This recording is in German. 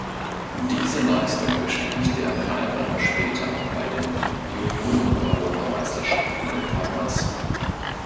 Diese Leistung bestätigte er drei Wochen später bei den Junioreneuropameisterschaften in Kaunas.